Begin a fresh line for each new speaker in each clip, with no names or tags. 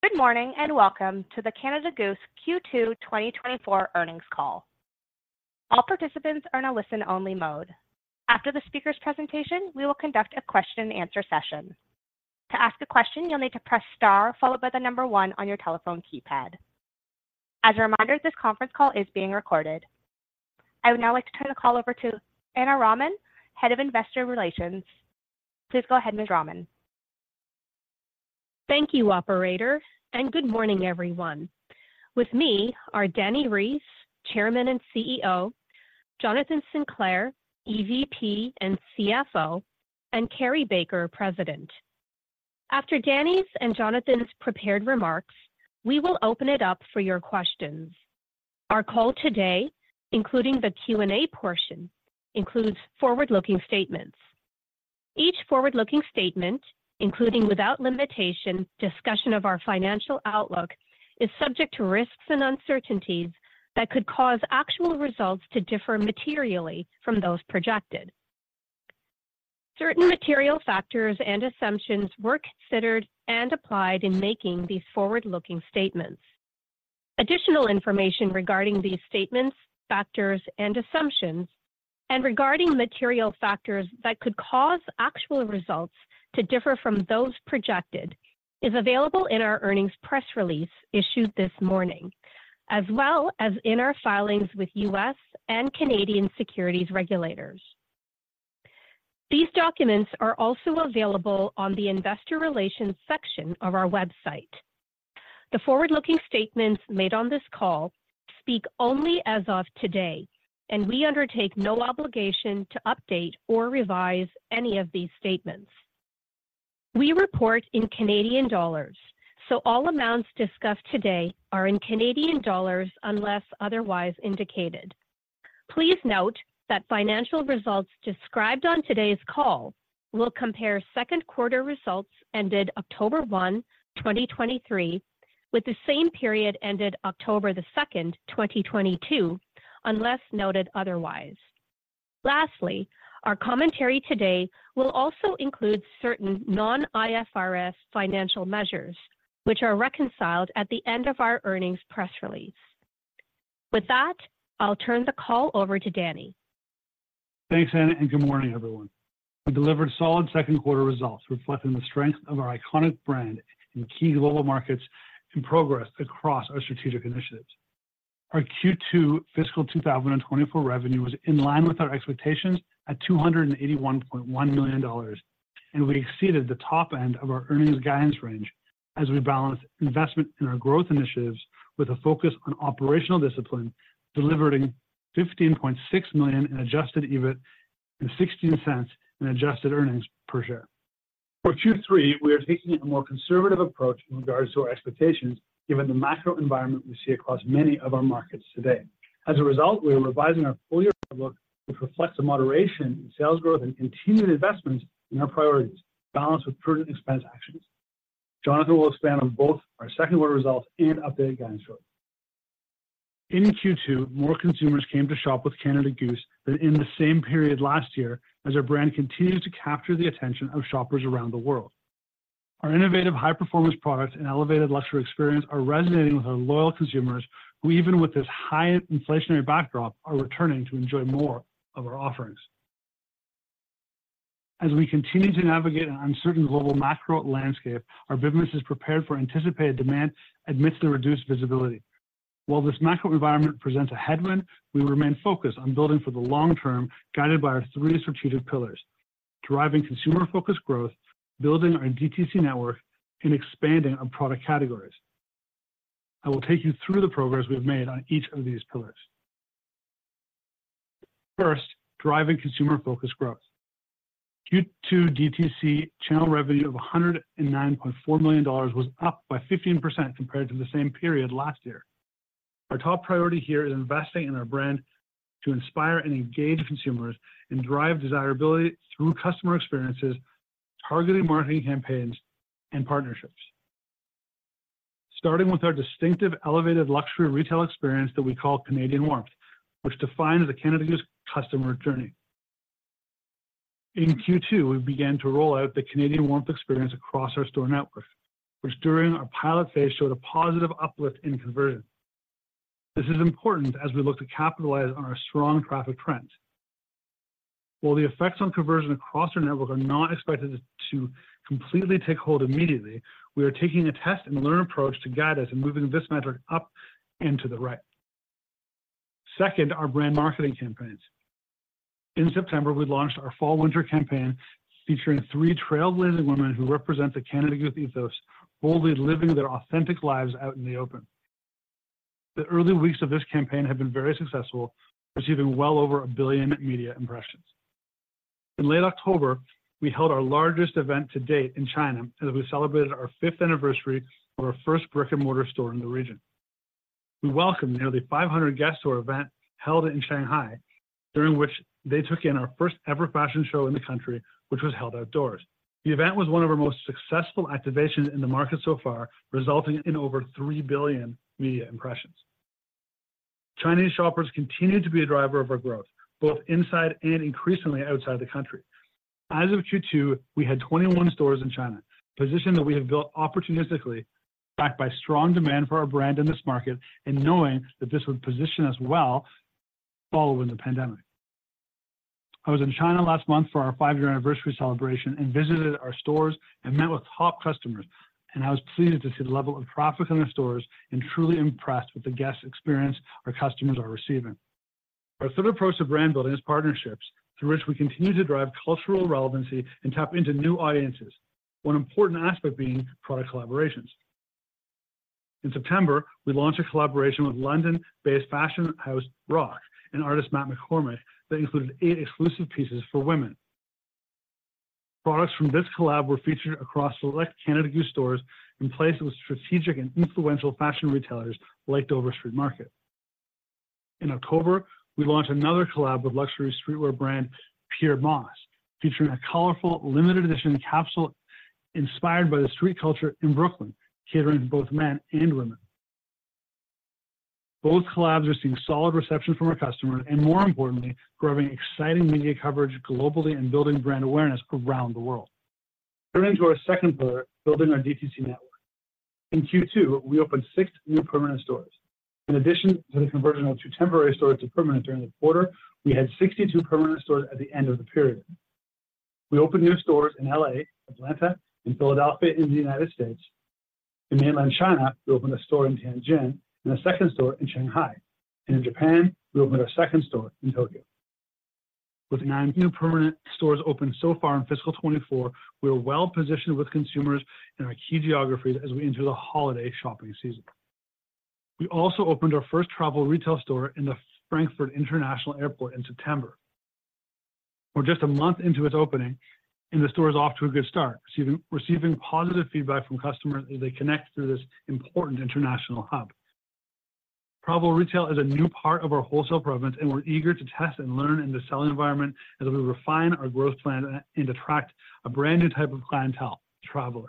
Good morning, and welcome to the Canada Goose Q2 2024 earnings call. All participants are in a listen-only mode. After the speaker's presentation, we will conduct a question and answer session. To ask a question, you'll need to press star, followed by the number one on your telephone keypad. As a reminder, this conference call is being recorded. I would now like to turn the call over to Ana Raman, Head of Investor Relations. Please go ahead, Ms. Raman.
Thank you, operator, and good morning, everyone. With me are Dani Reiss, Chairman and CEO, Jonathan Sinclair, EVP and CFO, and Carrie Baker, President. After Dani's and Jonathan's prepared remarks, we will open it up for your questions. Our call today, including the Q&A portion, includes forward-looking statements. Each forward-looking statement, including, without limitation, discussion of our financial outlook, is subject to risks and uncertainties that could cause actual results to differ materially from those projected. Certain material factors and assumptions were considered and applied in making these forward-looking statements. Additional information regarding these statements, factors, and assumptions, and regarding material factors that could cause actual results to differ from those projected, is available in our earnings press release issued this morning, as well as in our filings with U.S. and Canadian securities regulators. These documents are also available on the Investor Relations section of our website. The forward-looking statements made on this call speak only as of today, and we undertake no obligation to update or revise any of these statements. We report in Canadian dollars, so all amounts discussed today are in Canadian dollars unless otherwise indicated. Please note that financial results described on today's call will compare second quarter results ended October 1, 2023, with the same period ended October 2, 2022, unless noted otherwise. Lastly, our commentary today will also include certain non-IFRS financial measures, which are reconciled at the end of our earnings press release. With that, I'll turn the call over to Dani.
Thanks, Ana, and good morning, everyone. We delivered solid second quarter results, reflecting the strength of our iconic brand in key global markets and progress across our strategic initiatives. Our Q2 fiscal 2024 revenue was in line with our expectations at 281.1 million dollars, and we exceeded the top end of our earnings guidance range as we balanced investment in our growth initiatives with a focus on operational discipline, delivering 15.6 million in adjusted EBIT and 0.16 in adjusted earnings per share. For Q3, we are taking a more conservative approach in regards to our expectations, given the macro environment we see across many of our markets today. As a result, we are revising our full year outlook, which reflects a moderation in sales growth and continued investments in our priorities, balanced with prudent expense actions. Jonathan will expand on both our second quarter results and updated guidance for you. In Q2, more consumers came to shop with Canada Goose than in the same period last year, as our brand continues to capture the attention of shoppers around the world. Our innovative, high-performance products and elevated luxury experience are resonating with our loyal consumers, who, even with this high inflationary backdrop, are returning to enjoy more of our offerings. As we continue to navigate an uncertain global macro landscape, our business is prepared for anticipated demand amidst the reduced visibility. While this macro environment presents a headwind, we remain focused on building for the long term, guided by our three strategic pillars: driving consumer-focused growth, building our DTC network, and expanding our product categories. I will take you through the progress we've made on each of these pillars. First, driving consumer-focused growth. Q2 DTC channel revenue of 109.4 million dollars was up 15% compared to the same period last year. Our top priority here is investing in our brand to inspire and engage consumers and drive desirability through customer experiences, targeted marketing campaigns, and partnerships. Starting with our distinctive elevated luxury retail experience that we call Canadian Warmth, which defines the Canada Goose customer journey. In Q2, we began to roll out the Canadian Warmth experience across our store network, which, during our pilot phase, showed a positive uplift in conversion. This is important as we look to capitalize on our strong traffic trends. While the effects on conversion across our network are not expected to completely take hold immediately, we are taking a test and learn approach to guide us in moving this metric up and to the right. Second, our brand marketing campaigns. In September, we launched our fall/winter campaign, featuring three trailblazing women who represent the Canada Goose ethos, boldly living their authentic lives out in the open. The early weeks of this campaign have been very successful, receiving well over 1 billion media impressions. In late October, we held our largest event to date in China, as we celebrated our fifth anniversary of our first brick-and-mortar store in the region. We welcomed nearly 500 guests to our event, held in Shanghai, during which they took in our first-ever fashion show in the country, which was held outdoors. The event was one of our most successful activations in the market so far, resulting in over 3 billion media impressions.... Chinese shoppers continue to be a driver of our growth, both inside and increasingly outside the country. As of Q2, we had 21 stores in China, a position that we have built opportunistically, backed by strong demand for our brand in this market and knowing that this would position us well following the pandemic. I was in China last month for our 5-year anniversary celebration, and visited our stores and met with top customers, and I was pleased to see the level of traffic in the stores and truly impressed with the guest experience our customers are receiving. Our third approach to brand building is partnerships, through which we continue to drive cultural relevancy and tap into new audiences. One important aspect being product collaborations. In September, we launched a collaboration with London-based fashion house, Rokh, and artist Matt McCormick, that included 8 exclusive pieces for women. Products from this collab were featured across select Canada Goose stores in place with strategic and influential fashion retailers like Dover Street Market. In October, we launched another collab with luxury streetwear brand, Pyer Moss, featuring a colorful, limited edition capsule inspired by the street culture in Brooklyn, catering to both men and women. Both collabs are seeing solid reception from our customers and, more importantly, driving exciting media coverage globally and building brand awareness around the world. Turning to our second pillar, building our DTC network. In Q2, we opened 6 new permanent stores. In addition to the conversion of 2 temporary stores to permanent during the quarter, we had 62 permanent stores at the end of the period. We opened new stores in L.A., Atlanta, and Philadelphia in the United States. In mainland China, we opened a store in Tianjin and a second store in Shanghai, and in Japan, we opened our second store in Tokyo. With 9 new permanent stores opened so far in fiscal 2024, we are well-positioned with consumers in our key geographies as we enter the holiday shopping season. We also opened our first travel retail store in the Frankfurt International Airport in September. We're just a month into its opening, and the store is off to a good start, receiving positive feedback from customers as they connect through this important international hub. Travel retail is a new part of our wholesale presence, and we're eager to test and learn in this selling environment as we refine our growth plan and attract a brand-new type of clientele, traveler.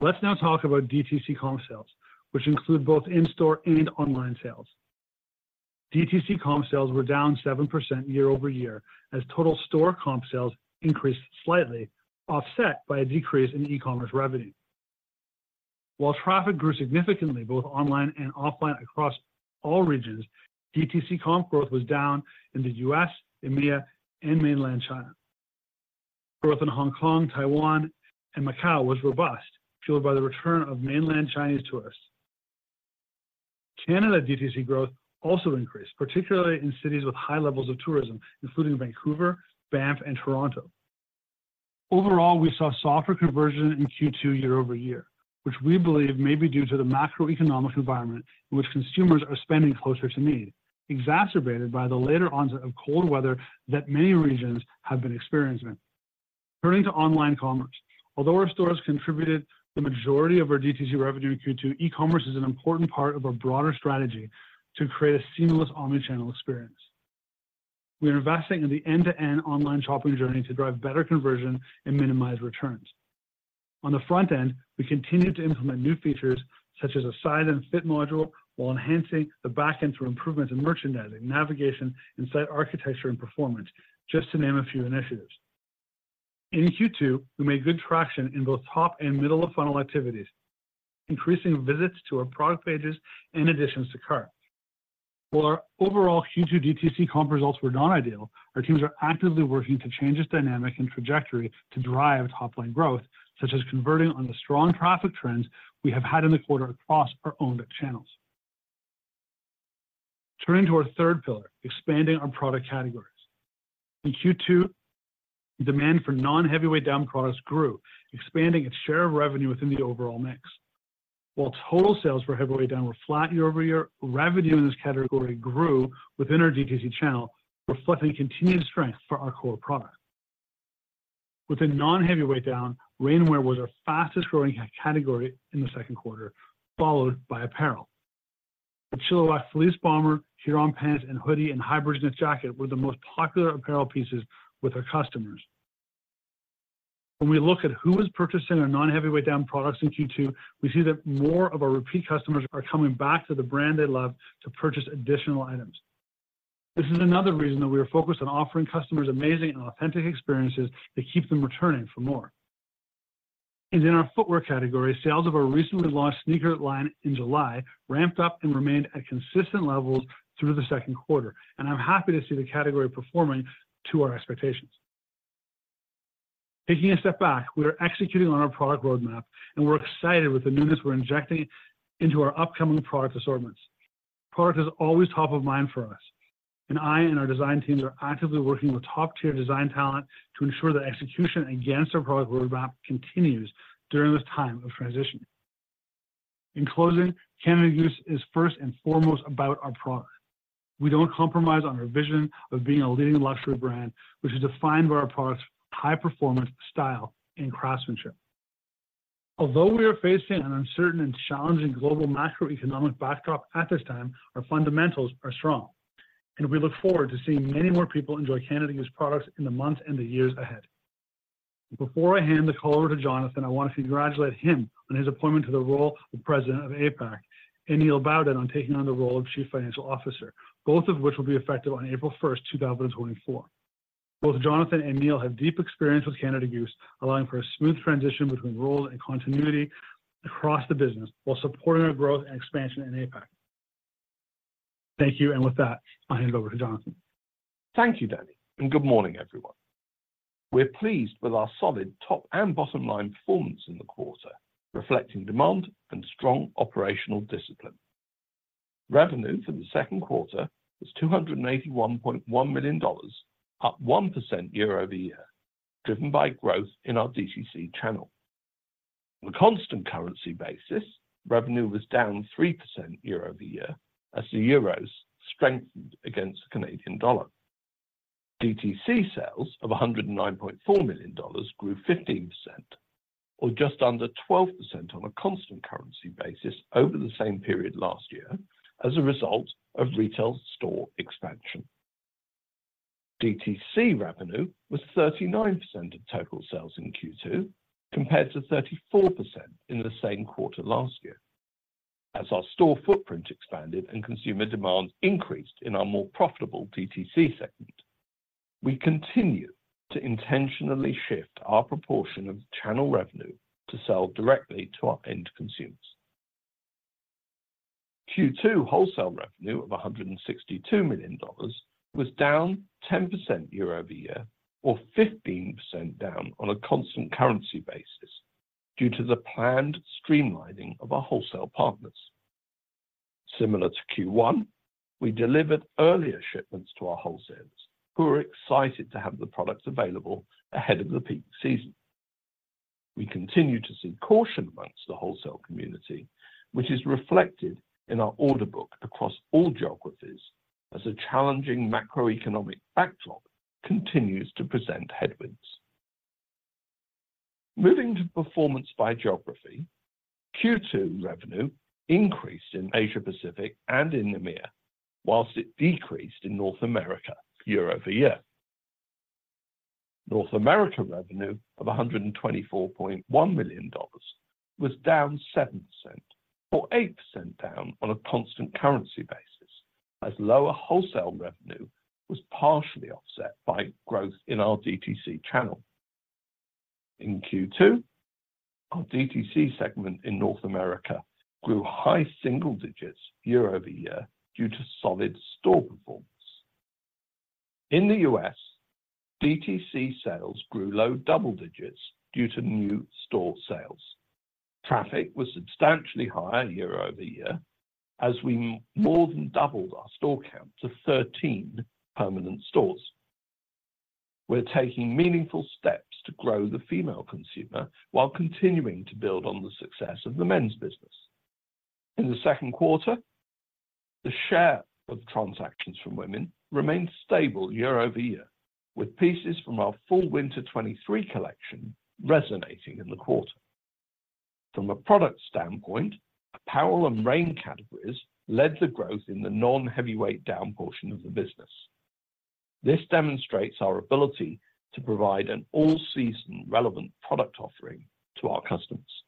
Let's now talk about DTC comp sales, which include both in-store and online sales. DTC comp sales were down 7% year-over-year, as total store comp sales increased slightly, offset by a decrease in e-commerce revenue. While traffic grew significantly, both online and offline across all regions, DTC comp growth was down in the U.S., EMEA, and mainland China. Growth in Hong Kong, Taiwan, and Macau was robust, fueled by the return of mainland Chinese tourists. Canada DTC growth also increased, particularly in cities with high levels of tourism, including Vancouver, Banff, and Toronto. Overall, we saw softer conversion in Q2 year-over-year, which we believe may be due to the macroeconomic environment in which consumers are spending closer to need, exacerbated by the later onset of cold weather that many regions have been experiencing. Turning to online commerce. Although our stores contributed the majority of our DTC revenue in Q2, e-commerce is an important part of our broader strategy to create a seamless omni-channel experience. We are investing in the end-to-end online shopping journey to drive better conversion and minimize returns. On the front end, we continue to implement new features such as a size and fit module, while enhancing the back end through improvements in merchandising, navigation, and site architecture and performance, just to name a few initiatives. In Q2, we made good traction in both top and middle-of-funnel activities, increasing visits to our product pages and additions to cart. While our overall Q2 DTC comp results were not ideal, our teams are actively working to change this dynamic and trajectory to drive top-line growth, such as converting on the strong traffic trends we have had in the quarter across our owned channels. Turning to our third pillar, expanding our product categories. In Q2, demand for non-heavyweight down products grew, expanding its share of revenue within the overall mix. While total sales for heavyweight down were flat year-over-year, revenue in this category grew within our DTC channel, reflecting continued strength for our core product. Within non-heavyweight down, rainwear was our fastest-growing category in the second quarter, followed by apparel. The Chilliwack Fleece Bomber, Huron pants and hoodie, and HyBridge Knit Jacket were the most popular apparel pieces with our customers. When we look at who is purchasing our non-heavyweight down products in Q2, we see that more of our repeat customers are coming back to the brand they love to purchase additional items. This is another reason that we are focused on offering customers amazing and authentic experiences that keep them returning for more. In our footwear category, sales of our recently launched sneaker line in July ramped up and remained at consistent levels through the second quarter, and I'm happy to see the category performing to our expectations. Taking a step back, we are executing on our product roadmap, and we're excited with the newness we're injecting into our upcoming product assortments. Product is always top of mind for us, and I and our design teams are actively working with top-tier design talent to ensure that execution against our product roadmap continues during this time of transition. In closing, Canada Goose is first and foremost about our product. We don't compromise on our vision of being a leading luxury brand, which is defined by our product's high performance, style, and craftsmanship. Although we are facing an uncertain and challenging global macroeconomic backdrop at this time, our fundamentals are strong, and we look forward to seeing many more people enjoy Canada Goose products in the months and the years ahead... Before I hand the call over to Jonathan, I want to congratulate him on his appointment to the role of President of APAC, and Neil Bowden on taking on the role of Chief Financial Officer, both of which will be effective on April 1, 2024. Both Jonathan and Neil have deep experience with Canada Goose, allowing for a smooth transition between roles and continuity across the business, while supporting our growth and expansion in APAC. Thank you, and with that, I'll hand over to Jonathan.
Thank you, Dani, and good morning, everyone. We're pleased with our solid top and bottom line performance in the quarter, reflecting demand and strong operational discipline. Revenue for the second quarter was 281.1 million dollars, up 1% year-over-year, driven by growth in our DTC channel. On a constant currency basis, revenue was down 3% year-over-year as the euros strengthened against the Canadian dollar. DTC sales of 109.4 million dollars grew 15% or just under 12% on a constant currency basis over the same period last year as a result of retail store expansion. DTC revenue was 39% of total sales in Q2, compared to 34% in the same quarter last year. As our store footprint expanded and consumer demand increased in our more profitable DTC segment, we continue to intentionally shift our proportion of channel revenue to sell directly to our end consumers. Q2 wholesale revenue of 162 million dollars was down 10% year-over-year or 15% down on a constant currency basis due to the planned streamlining of our wholesale partners. Similar to Q1, we delivered earlier shipments to our wholesalers, who are excited to have the products available ahead of the peak season. We continue to see caution amongst the wholesale community, which is reflected in our order book across all geographies, as a challenging macroeconomic backdrop continues to present headwinds. Moving to performance by geography, Q2 revenue increased in Asia Pacific and in EMEA, whilst it decreased in North America year-over-year. North America revenue of 124.1 million dollars was down 7% or 8% down on a constant currency basis, as lower wholesale revenue was partially offset by growth in our DTC channel. In Q2, our DTC segment in North America grew high single digits year-over-year due to solid store performance. In the U.S., DTC sales grew low double digits due to new store sales. Traffic was substantially higher year-over-year as we more than doubled our store count to 13 permanent stores. We're taking meaningful steps to grow the female consumer while continuing to build on the success of the men's business. In the second quarter, the share of transactions from women remained stable year-over-year, with pieces from our Fall Winter '23 collection resonating in the quarter. From a product standpoint, apparel and rain categories led the growth in the non-heavyweight down portion of the business. This demonstrates our ability to provide an all-season relevant product offering to our customers.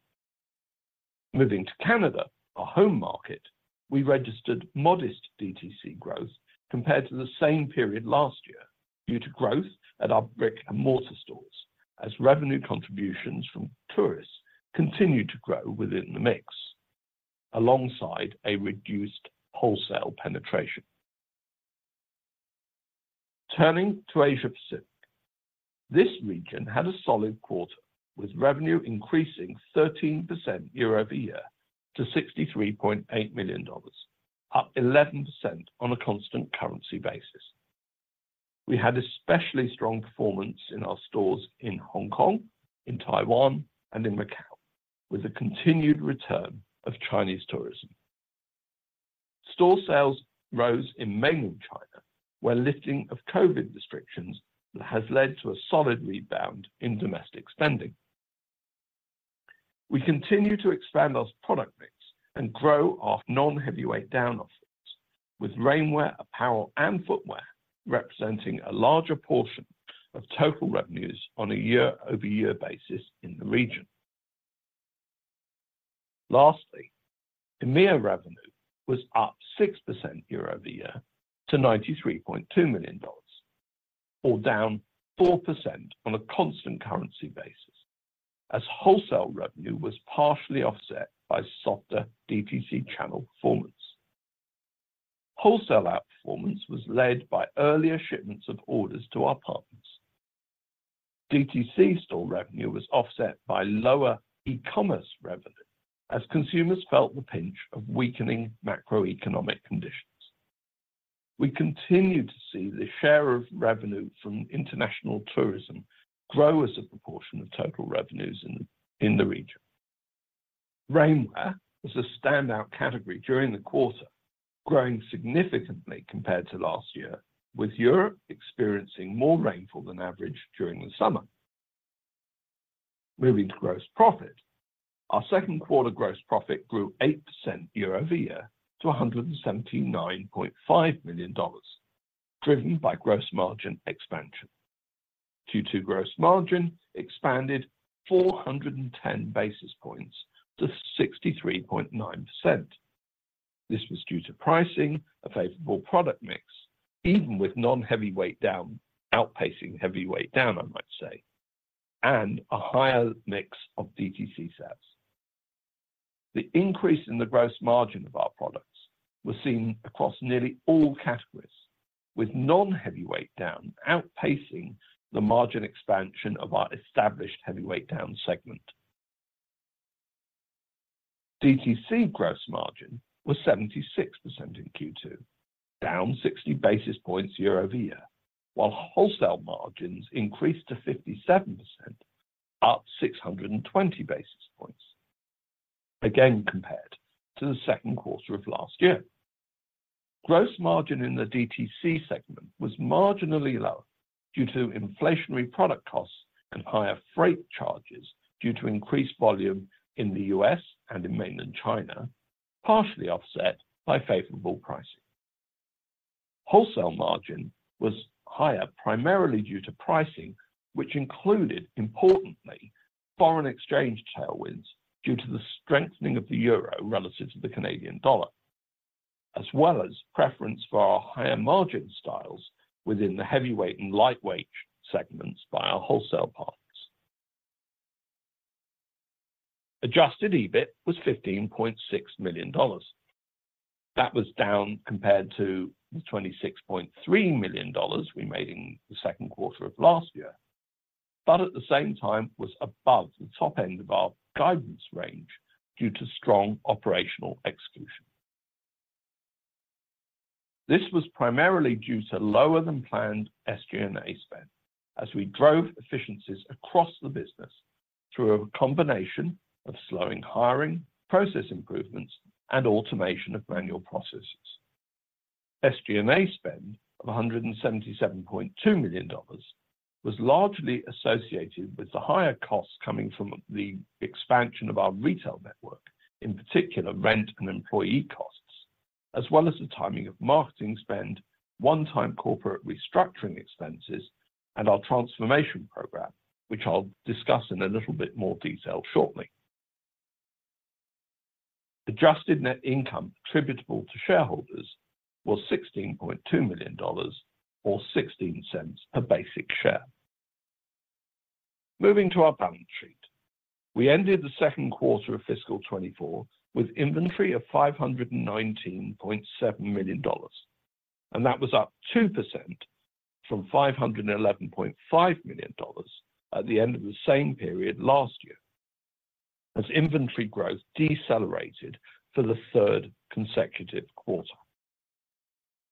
Moving to Canada, our home market, we registered modest DTC growth compared to the same period last year, due to growth at our brick-and-mortar stores, as revenue contributions from tourists continued to grow within the mix, alongside a reduced wholesale penetration. Turning to Asia Pacific, this region had a solid quarter, with revenue increasing 13% year-over-year to 63.8 million dollars, up 11% on a constant currency basis. We had especially strong performance in our stores in Hong Kong, in Taiwan, and in Macau, with a continued return of Chinese tourism. Store sales rose in mainland China, where lifting of COVID restrictions has led to a solid rebound in domestic spending. We continue to expand our product mix and grow our non-heavyweight down offerings, with rainwear, apparel, and footwear representing a larger portion of total revenues on a year-over-year basis in the region. Lastly, EMEA revenue was up 6% year-over-year to CAD 93.2 million, or down 4% on a constant currency basis, as wholesale revenue was partially offset by softer DTC channel performance. Wholesale outperformance was led by earlier shipments of orders to our partners. DTC store revenue was offset by lower e-commerce revenue as consumers felt the pinch of weakening macroeconomic conditions. We continue to see the share of revenue from international tourism grow as a proportion of total revenues in the region. Rainwear was a standout category during the quarter, growing significantly compared to last year, with Europe experiencing more rainfall than average during the summer. Moving to gross profit, our second quarter gross profit grew 8% year-over-year to 179.5 million dollars, driven by gross margin expansion. Q2 gross margin expanded 410 basis points to 63.9%. This was due to pricing, a favorable product mix, even with non-heavyweight down outpacing heavyweight down, I might say, and a higher mix of DTC sales. The increase in the gross margin of our products was seen across nearly all categories, with non-heavyweight down outpacing the margin expansion of our established heavyweight down segment. DTC gross margin was 76% in Q2, down 60 basis points year-over-year, while wholesale margins increased to 57%, up 620 basis points, again, compared to the second quarter of last year. Gross margin in the DTC segment was marginally lower due to inflationary product costs and higher freight charges due to increased volume in the U.S. and in mainland China, partially offset by favorable pricing. Wholesale margin was higher, primarily due to pricing, which included, importantly, foreign exchange tailwinds, due to the strengthening of the euro relative to the Canadian dollar, as well as preference for our higher-margin styles within the heavyweight and lightweight segments by our wholesale partners. Adjusted EBIT was 15.6 million dollars. That was down compared to the 26.3 million dollars we made in the second quarter of last year, but at the same time was above the top end of our guidance range due to strong operational execution. This was primarily due to lower-than-planned SG&A spend as we drove efficiencies across the business through a combination of slowing hiring, process improvements, and automation of manual processes. SG&A spend of 177.2 million dollars was largely associated with the higher costs coming from the expansion of our retail network, in particular, rent and employee costs, as well as the timing of marketing spend, one-time corporate restructuring expenses, and our transformation program, which I'll discuss in a little bit more detail shortly. Adjusted net income attributable to shareholders was 16.2 million dollars or 0.16 per basic share. Moving to our balance sheet. We ended the second quarter of fiscal 2024 with inventory of 519.7 million dollars, and that was up 2% from 511.5 million dollars at the end of the same period last year, as inventory growth decelerated for the third consecutive quarter.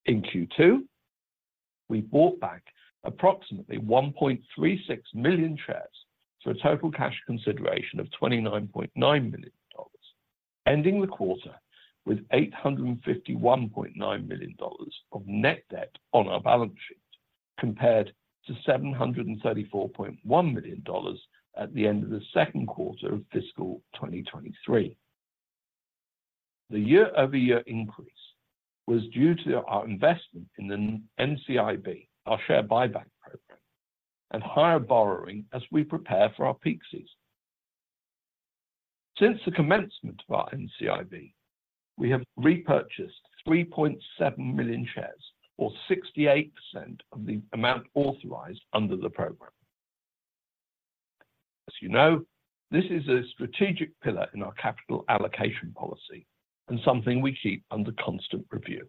In Q2, we bought back approximately 1.36 million shares for a total cash consideration of 29.9 million dollars, ending the quarter with 851.9 million dollars of net debt on our balance sheet, compared to 734.1 million dollars at the end of the second quarter of fiscal 2023. The year-over-year increase was due to our investment in the NCIB, our share buyback program, and higher borrowing as we prepare for our peak season. Since the commencement of our NCIB, we have repurchased 3.7 million shares, or 68% of the amount authorized under the program. As you know, this is a strategic pillar in our capital allocation policy and something we keep under constant review.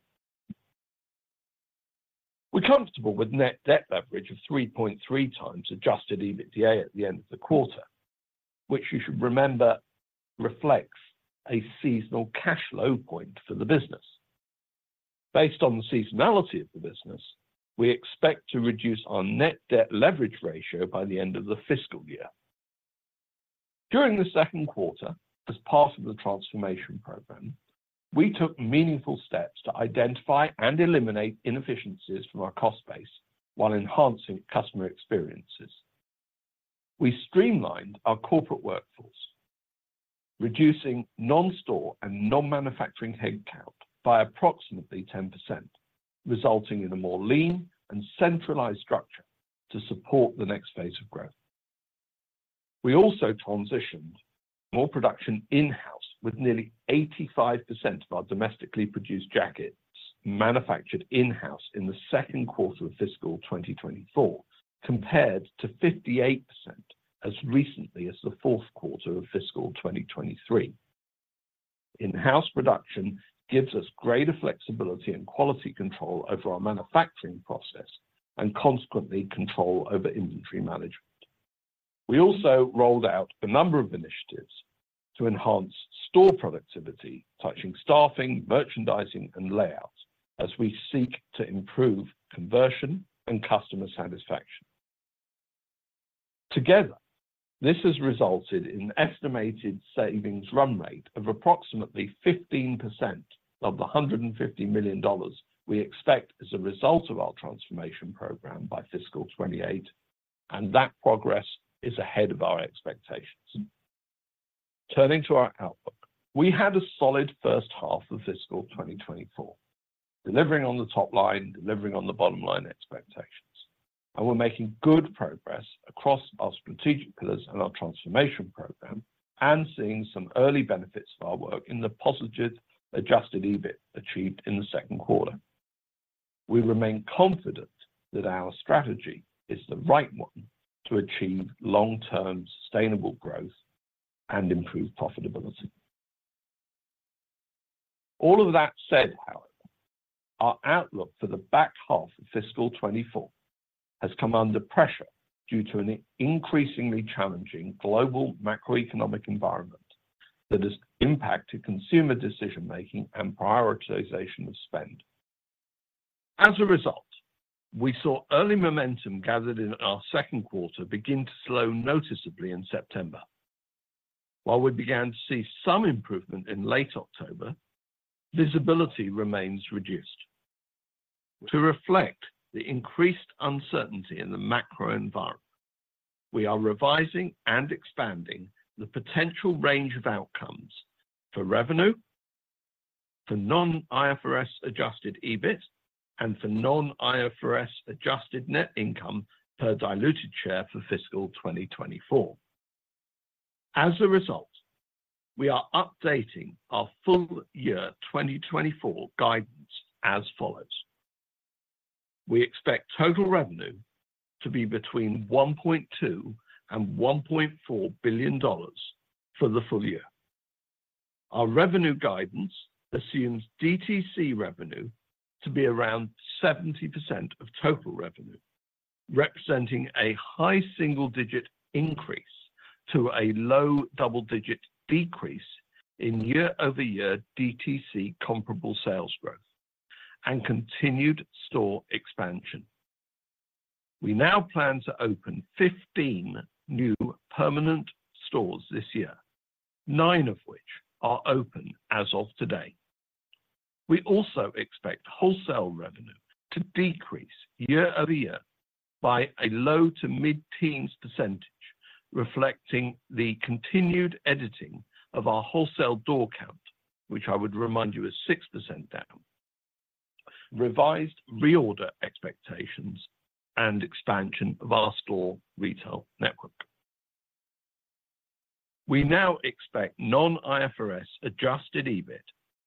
We're comfortable with net debt leverage of 3.3 times adjusted EBITDA at the end of the quarter, which you should remember, reflects a seasonal cash flow point for the business. Based on the seasonality of the business, we expect to reduce our net debt leverage ratio by the end of the fiscal year. During the second quarter, as part of the transformation program, we took meaningful steps to identify and eliminate inefficiencies from our cost base while enhancing customer experiences. We streamlined our corporate workforce, reducing non-store and non-manufacturing headcount by approximately 10%, resulting in a more lean and centralized structure to support the next phase of growth. We also transitioned more production in-house, with nearly 85% of our domestically produced jackets manufactured in-house in the second quarter of fiscal 2024, compared to 58% as recently as the fourth quarter of fiscal 2023. In-house production gives us greater flexibility and quality control over our manufacturing process and consequently, control over inventory management. We also rolled out a number of initiatives to enhance store productivity, touching staffing, merchandising, and layouts as we seek to improve conversion and customer satisfaction. Together, this has resulted in an estimated savings run rate of approximately 15% of the 150 million dollars we expect as a result of our transformation program by fiscal 2028, and that progress is ahead of our expectations. Turning to our outlook. We had a solid first half of fiscal 2024, delivering on the top line, delivering on the bottom line expectations, and we're making good progress across our strategic pillars and our transformation program and seeing some early benefits of our work in the positive adjusted EBIT achieved in the second quarter. We remain confident that our strategy is the right one to achieve long-term, sustainable growth and improve profitability. All of that said, however, our outlook for the back half of fiscal 2024 has come under pressure due to an increasingly challenging global macroeconomic environment that has impacted consumer decision-making and prioritization of spend. As a result, we saw early momentum gathered in our second quarter begin to slow noticeably in September. While we began to see some improvement in late October, visibility remains reduced. To reflect the increased uncertainty in the macro environment, we are revising and expanding the potential range of outcomes for revenue, for non-IFRS adjusted EBIT, and for non-IFRS adjusted net income per diluted share for fiscal 2024. As a result, we are updating our full year 2024 guidance as follows: We expect total revenue to be between 1.2 billion and 1.4 billion dollars for the full year. Our revenue guidance assumes DTC revenue to be around 70% of total revenue, representing a high single-digit increase to a low double-digit decrease in year-over-year DTC comparable sales growth and continued store expansion. We now plan to open 15 new permanent stores this year, 9 of which are open as of today. We also expect wholesale revenue to decrease year-over-year by a low to mid-teens %, reflecting the continued editing of our wholesale door count, which I would remind you is 6% down, revised reorder expectations and expansion of our store retail network. We now expect non-IFRS adjusted EBIT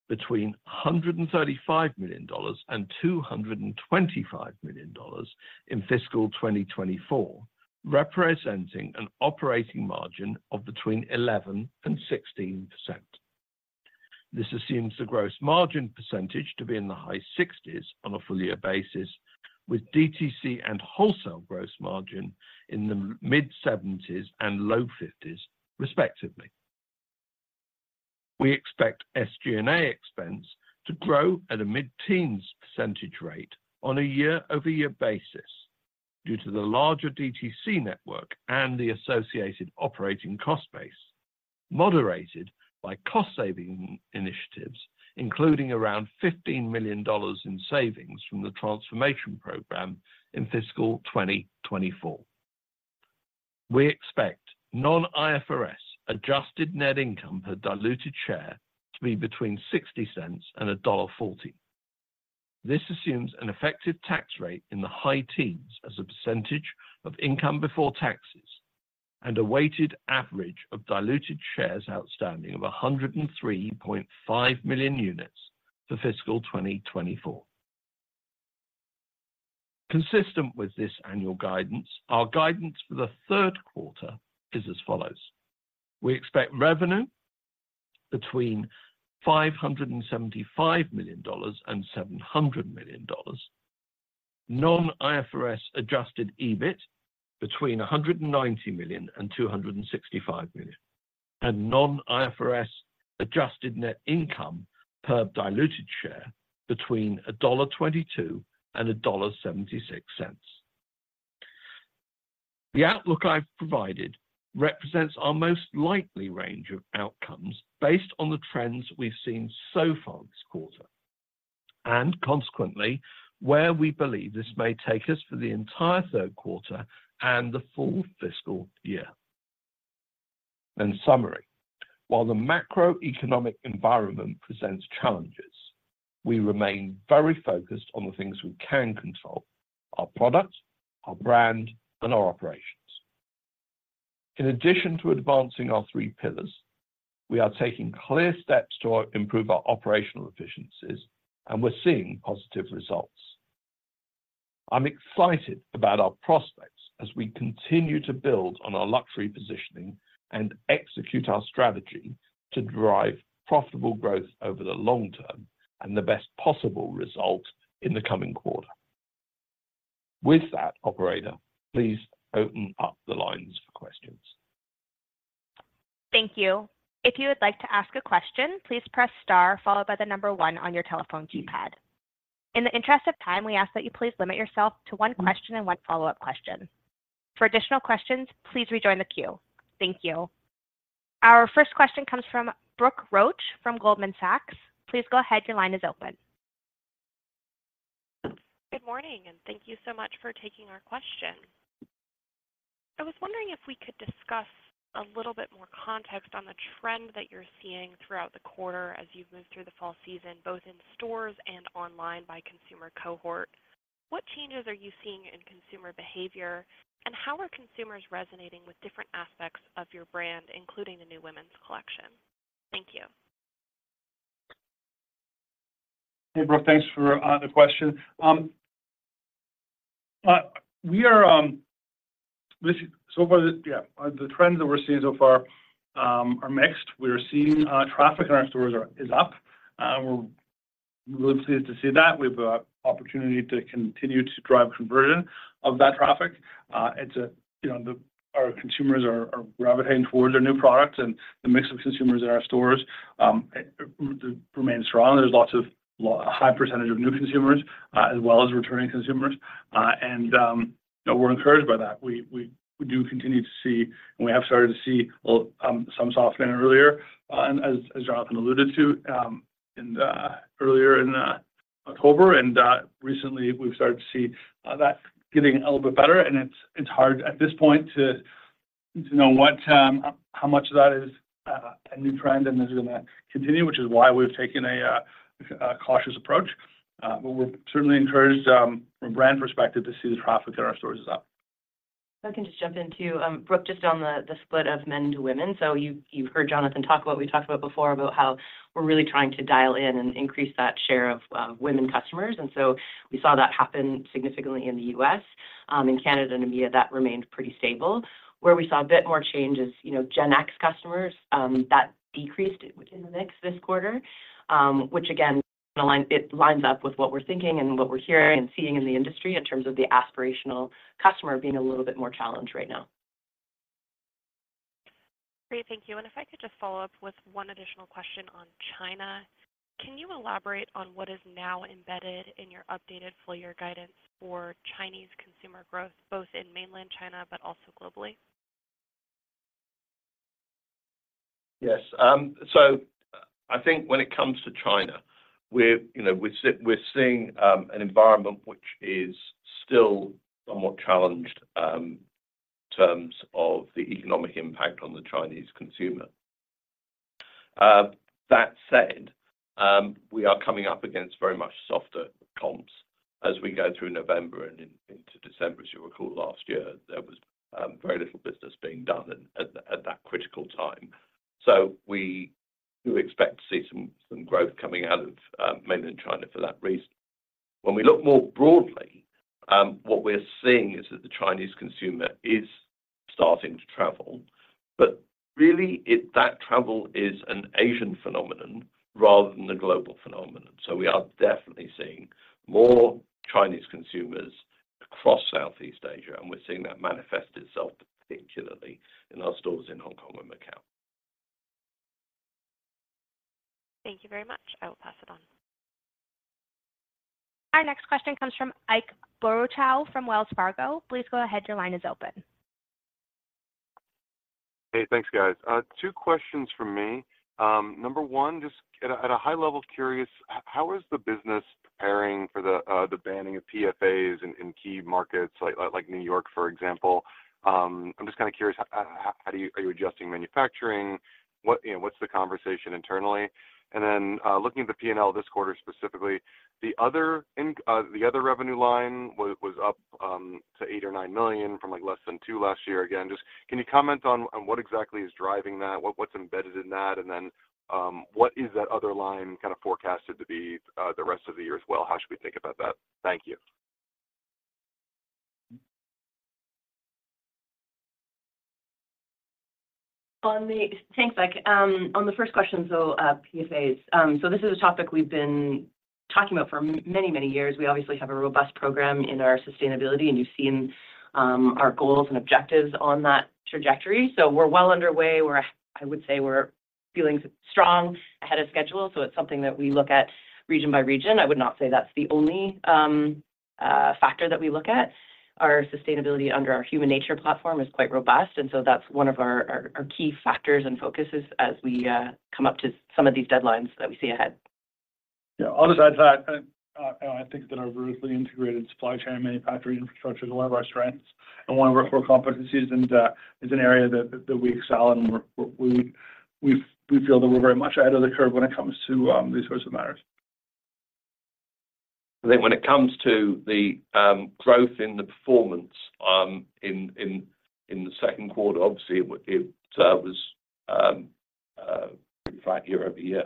between 135 million dollars and 225 million dollars in fiscal 2024, representing an operating margin of between 11% and 16%. This assumes the gross margin percentage to be in the high 60s on a full year basis, with DTC and wholesale gross margin in the mid-70s and low 50s, respectively. We expect SG&A expense to grow at a mid-teens % rate on a year-over-year basis due to the larger DTC network and the associated operating cost base, moderated by cost-saving initiatives, including around 15 million dollars in savings from the transformation program in fiscal 2024. We expect non-IFRS adjusted net income per diluted share to be between 0.60 and dollar 1.40. This assumes an effective tax rate in the high teens as a % of income before taxes and a weighted average of diluted shares outstanding of 103.5 million units for fiscal 2024. Consistent with this annual guidance, our guidance for the third quarter is as follows: We expect revenue between 575 million dollars and 700 million dollars, non-IFRS adjusted EBIT between 190 million and 265 million, and non-IFRS adjusted net income per diluted share between dollar 1.22 and dollar 1.76. The outlook I've provided represents our most likely range of outcomes based on the trends we've seen so far this quarter, and consequently, where we believe this may take us for the entire third quarter and the full fiscal year. In summary, while the macroeconomic environment presents challenges, we remain very focused on the things we can control: our product, our brand, and our operations. In addition to advancing our three pillars, we are taking clear steps to improve our operational efficiencies, and we're seeing positive results. I'm excited about our prospects as we continue to build on our luxury positioning and execute our strategy to drive profitable growth over the long term and the best possible result in the coming quarter. With that, operator, please open up the lines for questions.
Thank you. If you would like to ask a question, please press star followed by the number one on your telephone keypad. In the interest of time, we ask that you please limit yourself to one question and one follow-up question. For additional questions, please rejoin the queue. Thank you. Our first question comes from Brooke Roach from Goldman Sachs. Please go ahead. Your line is open....
Good morning, and thank you so much for taking our question. I was wondering if we could discuss a little bit more context on the trend that you're seeing throughout the quarter as you've moved through the fall season, both in stores and online by consumer cohort. What changes are you seeing in consumer behavior, and how are consumers resonating with different aspects of your brand, including the new women's collection? Thank you.
Hey, Brooke, thanks for the question. So far, the trends that we're seeing so far are mixed. We are seeing traffic in our stores is up, and we're really pleased to see that. We have an opportunity to continue to drive conversion of that traffic. It's, you know, our consumers are gravitating towards our new products, and the mix of consumers in our stores remains strong. There's a high percentage of new consumers, as well as returning consumers. And you know, we're encouraged by that. We do continue to see, and we have started to see some softening earlier, and as Jonathan alluded to, earlier in October, and recently, we've started to see that getting a little bit better, and it's hard at this point to know how much of that is a new trend and is gonna continue, which is why we've taken a cautious approach. But we're certainly encouraged from a brand perspective to see the traffic in our stores is up.
If I can just jump in, too. Brooke, just on the split of men to women, so you, you've heard Jonathan talk about what we talked about before, about how we're really trying to dial in and increase that share of women customers, and so we saw that happen significantly in the U.S. In Canada and EMEA, that remained pretty stable. Where we saw a bit more change is, you know, Gen X customers, that decreased within the mix this quarter, which again, it lines up with what we're thinking and what we're hearing and seeing in the industry in terms of the aspirational customer being a little bit more challenged right now.
Great, thank you. And if I could just follow up with one additional question on China. Can you elaborate on what is now embedded in your updated full year guidance for Chinese consumer growth, both in mainland China but also globally?
Yes, so I think when it comes to China, we're, you know, we're seeing an environment which is still somewhat challenged in terms of the economic impact on the Chinese consumer. That said, we are coming up against very much softer comps as we go through November and into December. As you'll recall, last year, there was very little business being done at that critical time. So we do expect to see some growth coming out of mainland China for that reason. When we look more broadly, what we're seeing is that the Chinese consumer is starting to travel, but really, it... that travel is an Asian phenomenon rather than a global phenomenon. We are definitely seeing more Chinese consumers across Southeast Asia, and we're seeing that manifest itself particularly in our stores in Hong Kong and Macau.
Thank you very much. I will pass it on.
Our next question comes from Ike Boruchow from Wells Fargo. Please go ahead. Your line is open.
Hey, thanks, guys. Two questions from me. Number one, just at a high level, curious, how is the business preparing for the banning of PFAS in key markets like New York, for example? I'm just kinda curious, how do you... Are you adjusting manufacturing? What, you know, what's the conversation internally? And then, looking at the P&L this quarter, specifically, the other revenue line was up to 8 or 9 million from less than 2 million last year. Again, just can you comment on what exactly is driving that? What's embedded in that, and then, what is that other line kinda forecasted to be the rest of the year as well? How should we think about that? Thank you.
Thanks, Ike. On the first question, so, PFAS, so this is a topic we've been talking about for many, many years. We obviously have a robust program in our sustainability, and you've seen our goals and objectives on that trajectory. So we're well underway. I would say we're feeling strong, ahead of schedule, so it's something that we look at region by region. I would not say that's the only factor that we look at. Our sustainability under our HUMANATURE platform is quite robust, and so that's one of our key factors and focuses as we come up to some of these deadlines that we see ahead.
Yeah, I'll just add to that, and I think that our vertically integrated supply chain and manufacturing infrastructure is one of our strengths and one of our core competencies, and is an area that we excel in. We feel that we're very much ahead of the curve when it comes to these sorts of matters.
I think when it comes to the growth in the performance in the second quarter, obviously, it was pretty flat year-over-year.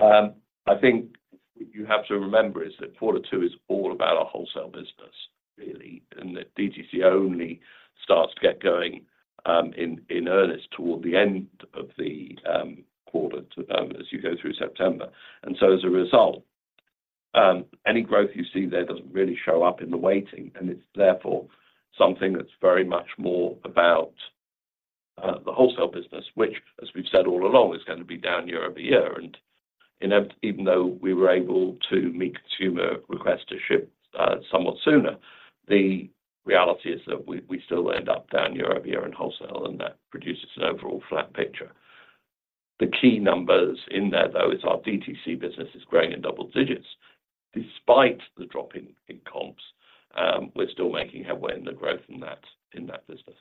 I think what you have to remember is that quarter two is all about our wholesale business, really, and that DTC only starts to get going in earnest toward the end of the quarter two as you go through September. And so as a result, any growth you see there doesn't really show up in the weighting, and it's therefore something that's very much more about the wholesale business, which, as we've said all along, is gonna be down year-over-year. Even though we were able to meet consumer requests to ship somewhat sooner, the reality is that we still end up down year-over-year in wholesale, and that produces an overall flat picture. The key numbers in there, though, is our DTC business is growing in double digits despite the drop in comps. We're still making headway in the growth in that business.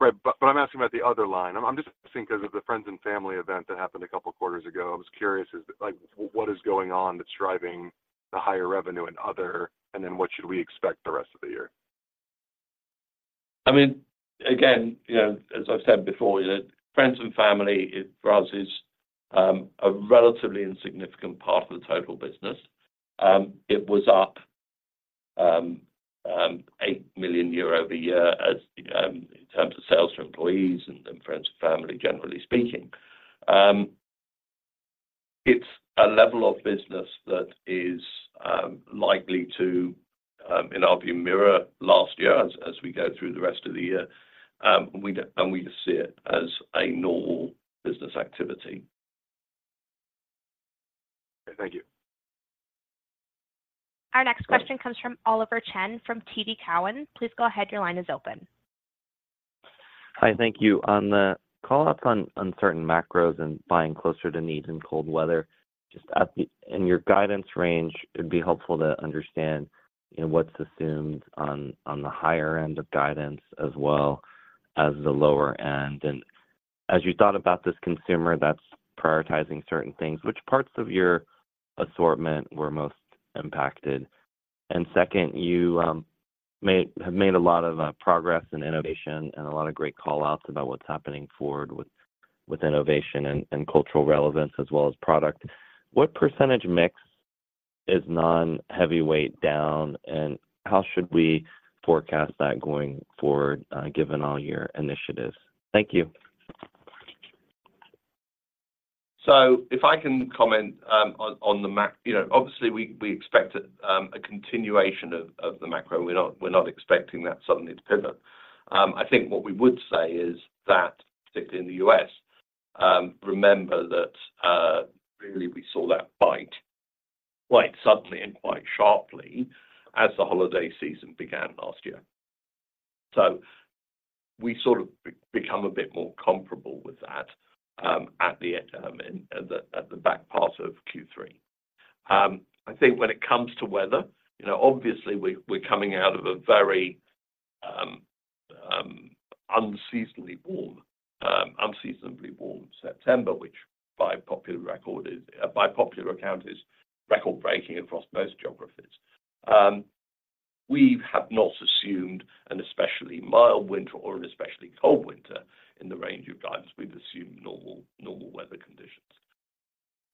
Right. But I'm asking about the other line. I'm just thinking because of the friends and family event that happened a couple of quarters ago, I was curious, like, what is going on that's driving the higher revenue and other, and then what should we expect the rest of the year?
I mean, again, you know, as I've said before, friends and family, it for us, is, a relatively insignificant part of the total business. It was up CAD 8 million year-over-year as, in terms of sales for employees and then friends and family, generally speaking. It's a level of business that is, likely to, in our view, mirror last year as, as we go through the rest of the year. And we, and we just see it as a normal business activity.
Thank you.
Our next question comes from Oliver Chen from TD Cowen. Please go ahead, your line is open.
Hi, thank you. On the call up on uncertain macros and buying closer to needs and cold weather, just at the, in your guidance range, it'd be helpful to understand, you know, what's assumed on, on the higher end of guidance as well as the lower end. And as you thought about this consumer that's prioritizing certain things, which parts of your assortment were most impacted? And second, you have made a lot of progress in innovation and a lot of great call-outs about what's happening forward with innovation and cultural relevance as well as product. What percentage mix is non-heavyweight down, and how should we forecast that going forward, given all your initiatives? Thank you.
So if I can comment on the macro. You know, obviously, we expect a continuation of the macro. We're not expecting that suddenly to pivot. I think what we would say is that, particularly in the US, remember that really we saw that bite quite suddenly and quite sharply as the holiday season began last year. So we sort of become a bit more comparable with that at the end in the back part of Q3. I think when it comes to weather, you know, obviously, we're coming out of a very unseasonably warm September, which by popular account is record-breaking across most geographies. We have not assumed an especially mild winter or an especially cold winter in the range of times. We've assumed normal, normal weather conditions.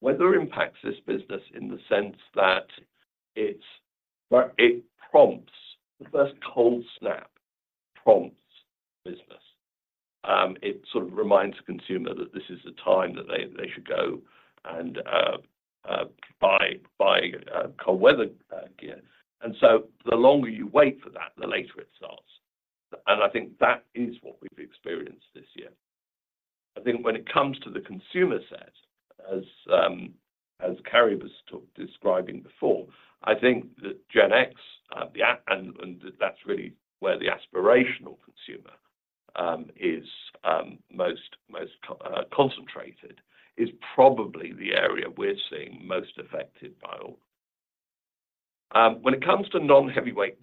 Weather impacts this business in the sense that it, it prompts, the first cold snap prompts business. It sort of reminds the consumer that this is the time that they, they should go and, buy, buy, cold weather, gear. And so the longer you wait for that, the later it starts. And I think that is what we've experienced this year. I think when it comes to the consumer set, as, as Carrie was describing before, I think that Gen X, and, and that's really where the aspirational consumer, is, most, most, concentrated, is probably the area we're seeing most affected by all. When it comes to non-heavyweight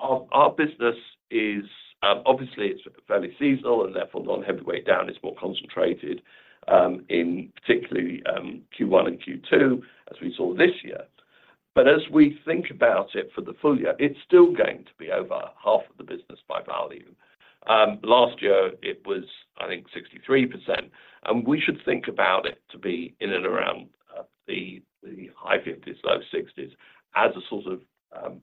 down, our business is obviously fairly seasonal, and therefore, non-heavyweight down is more concentrated in particular Q1 and Q2 as we saw this year. But as we think about it for the full year, it's still going to be over half of the business by value. Last year, it was, I think, 63%, and we should think about it to be in and around the high 50s, low 60s as a sort of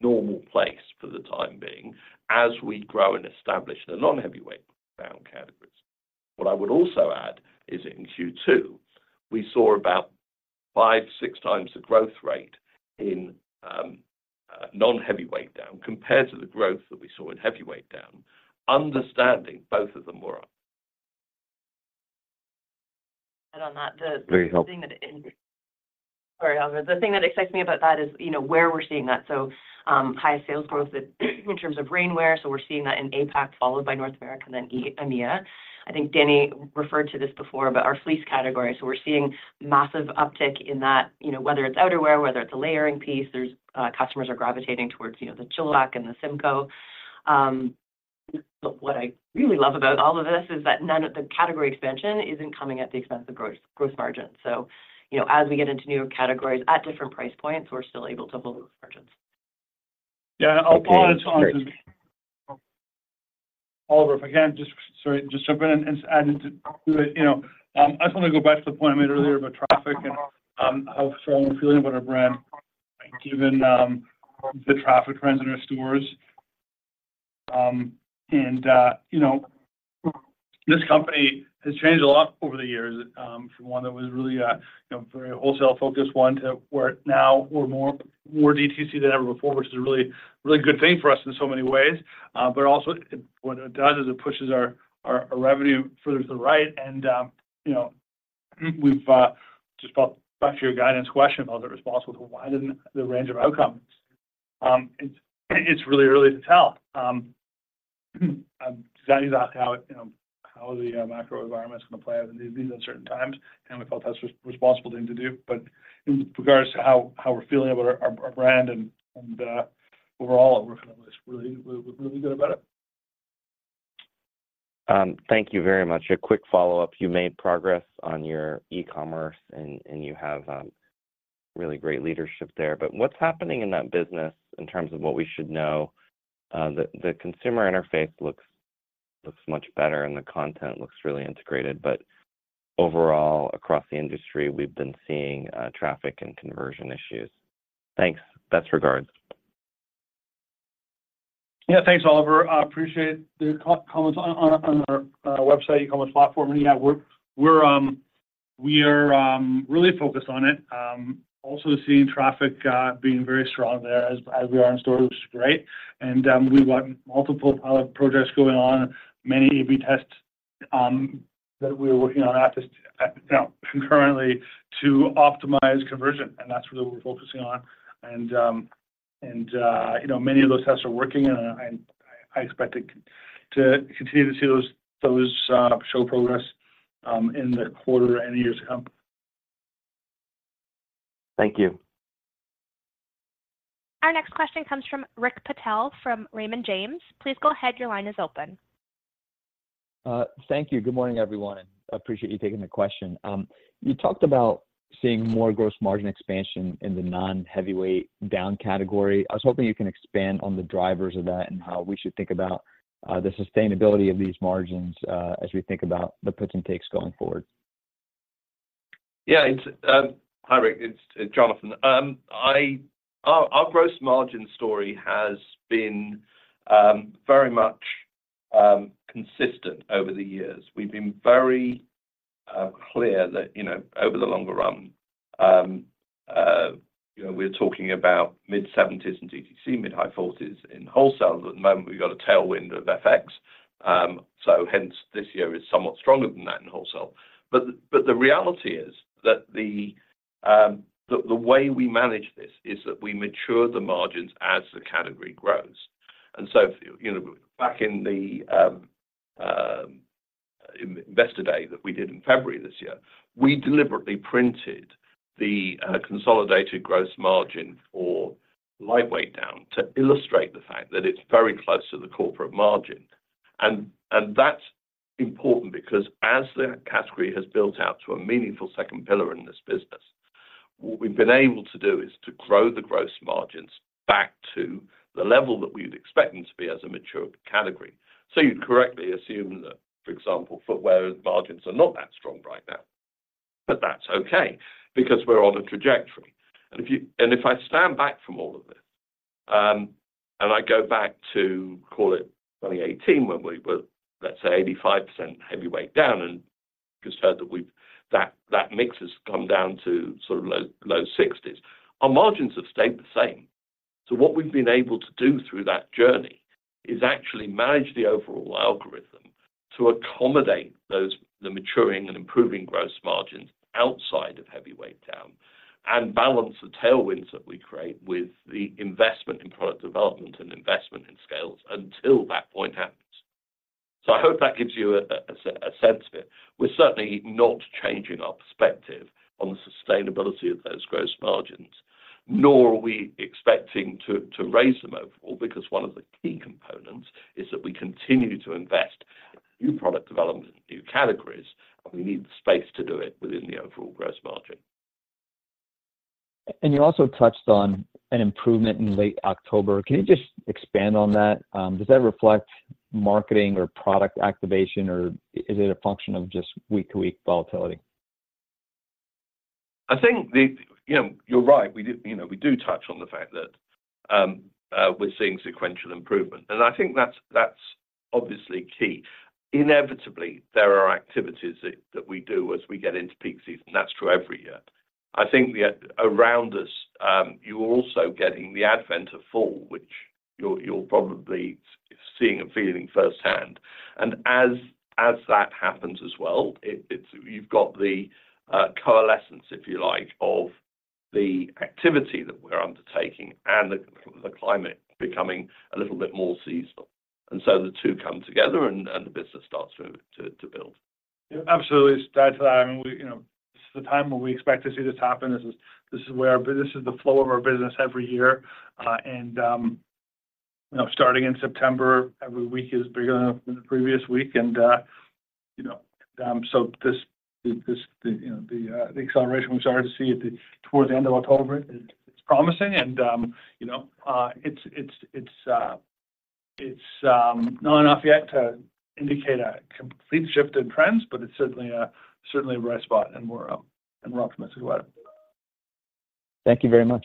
normal place for the time being as we grow and establish the non-heavyweight down categories. What I would also add is in Q2, we saw about 5-6 times the growth rate in non-heavyweight down compared to the growth that we saw in heavyweight down, understanding both of them were up.
And on that, the-
Very helpful.
Sorry, Oliver. The thing that excites me about that is, you know, where we're seeing that. So, high sales growth in terms of rainwear, so we're seeing that in APAC, followed by North America, and then EMEA. I think Dani referred to this before about our fleece category, so we're seeing massive uptick in that, you know, whether it's outerwear, whether it's a layering piece, there's customers are gravitating towards, you know, the Chilliwack and the Simcoe. But what I really love about all of this is that none of the category expansion isn't coming at the expense of gross, gross margin. So, you know, as we get into newer categories at different price points, we're still able to hold those margins.
Yeah, I'll add on to... Oliver, if I can just, sorry, just jump in and add into it. You know, I just want to go back to the point I made earlier about traffic and how strong we're feeling about our brand, given the traffic trends in our stores. And you know, this company has changed a lot over the years, from one that was really a you know, very wholesale-focused one to where now we're more, more DTC than ever before, which is a really, really good thing for us in so many ways. But also what it does is it pushes our revenue further to the right, and you know, we've just back to your guidance question about the response with widening the range of outcomes.... It's really early to tell. Designing is out, you know, how the macro environment's gonna play out in these uncertain times, and we felt that's a responsible thing to do. But in regards to how we're feeling about our brand and overall, we're feeling really, really, really good about it.
Thank you very much. A quick follow-up: You made progress on your e-commerce, and you have really great leadership there. But what's happening in that business in terms of what we should know? The consumer interface looks much better, and the content looks really integrated. But overall, across the industry, we've been seeing traffic and conversion issues. Thanks. Best regards.
Yeah, thanks, Oliver. I appreciate the comments on our website, e-commerce platform. And, yeah, we are really focused on it. Also seeing traffic being very strong there as we are in stores, right? And we've got multiple pilot projects going on, many AB tests that we're working on at this, you know, concurrently to optimize conversion, and that's what we're focusing on. And, you know, many of those tests are working, and I expect to continue to see those show progress in the quarter and years to come.
Thank you. Our next question comes from Rick Patel from Raymond James. Please go ahead. Your line is open.
Thank you. Good morning, everyone. I appreciate you taking the question. You talked about seeing more gross margin expansion in the non-heavyweight down category. I was hoping you can expand on the drivers of that and how we should think about the sustainability of these margins as we think about the puts and takes going forward.
Yeah, it's Hi, Rick, it's Jonathan. Our gross margin story has been very much consistent over the years. We've been very clear that, you know, over the longer run, you know, we're talking about mid-70s in DTC, mid-high 40s in wholesale. At the moment, we've got a tailwind of FX. So hence, this year is somewhat stronger than that in wholesale. But the reality is that the way we manage this is that we mature the margins as the category grows. And so, you know, back in the Investor Day that we did in February this year, we deliberately printed the consolidated gross margin for lightweight down to illustrate the fact that it's very close to the corporate margin. That's important because as the category has built out to a meaningful second pillar in this business, what we've been able to do is to grow the gross margins back to the level that we'd expect them to be as a mature category. You'd correctly assume that, for example, footwear margins are not that strong right now, but that's okay because we're on a trajectory. If I stand back from all of this and I go back to, call it 2018, when we were, let's say, 85% heavyweight down and that mix has come down to sort of low 60s, our margins have stayed the same. So what we've been able to do through that journey is actually manage the overall algorithm to accommodate those, the maturing and improving gross margins outside of heavyweight down and balance the tailwinds that we create with the investment in product development and investment in scales until that point happens. So I hope that gives you a sense of it. We're certainly not changing our perspective on the sustainability of those gross margins, nor are we expecting to raise them overall, because one of the key components is that we continue to invest in new product development and new categories, and we need the space to do it within the overall gross margin.
You also touched on an improvement in late October. Can you just expand on that? Does that reflect marketing or product activation, or is it a function of just week-to-week volatility?
I think the, you know, you're right. We do, you know, we do touch on the fact that we're seeing sequential improvement, and I think that's obviously key. Inevitably, there are activities that we do as we get into peak season, and that's true every year. I think. Around us, you're also getting the advent of fall, which you're probably seeing and feeling firsthand. And as that happens as well, you've got the coalescence, if you like, of the activity that we're undertaking and the climate becoming a little bit more seasonal. And so the two come together, and the business starts to build.
Yeah, absolutely. To add to that, I mean, we, you know, this is the time when we expect to see this happen. This is where our business, this is the flow of our business every year. And you know, starting in September, every week is bigger than the previous week, and you know, so the acceleration we started to see towards the end of October, it's promising. And you know, it's not enough yet to indicate a complete shift in trends, but it's certainly the right spot, and we're optimistic about it.
Thank you very much.